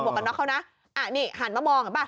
หันมามองหันมามอง